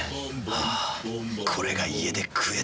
あぁこれが家で食えたなら。